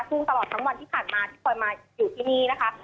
ซึ่งตลอดทั้งวันที่ผ่านมาที่คอยมาอยู่ที่นี่นะคะ